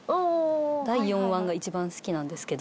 第４腕が一番好きなんですけど。